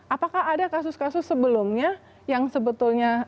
apakah ada kasus kasus sebelumnya yang sebetulnya